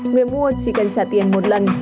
người mua chỉ cần trả tiền một lần